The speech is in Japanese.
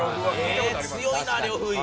え強いな呂不韋。